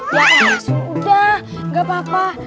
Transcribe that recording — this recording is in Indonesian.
ya udah gak apa apa